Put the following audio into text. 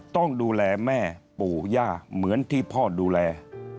ต้องดูแลแม่ปู่ย่าเหมือนที่พ่อดูแล